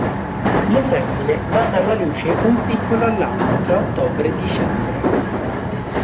Le femmine danno alla luce un piccolo all'anno tra ottobre e dicembre.